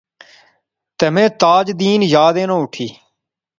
تہ میں تاج دین یاد اینا اٹھی